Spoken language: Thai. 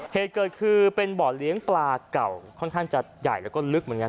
เหตุเกิดคือเป็นบ่อเลี้ยงปลาเก่าค่อนข้างจะใหญ่แล้วก็ลึกเหมือนกัน